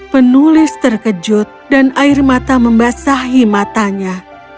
penulis terkejut dan air mata membasahi matanya